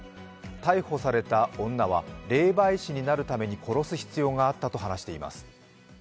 逮捕された女は霊媒師になるために殺す必要があったと話しています。